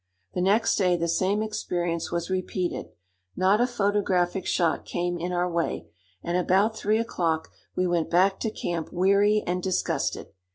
The next day the same experience was repeated: not a photographic shot came in our way, and about three o'clock we went back to camp weary and disgusted.